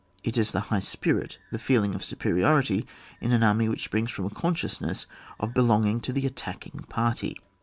It is the high spirit, the feeling of superiority in an army which springs from a consciousness of belonging to the attacking party.